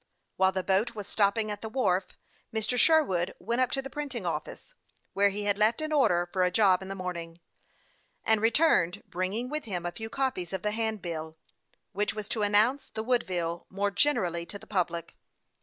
While the boat was stopping at the wharf, Mr. Sherwood went up to a printing office, where he had left an order for a job in the morning, and returned bring ing with him a few copies of the handbill, which was to announce the Woodville more generally to the public.